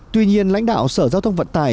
tuy nhiên lãnh đạo sở giao thông vận tải